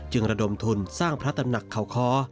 ระดมทุนสร้างพระตำหนักเขาค้อ